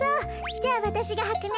じゃあわたしがはくね。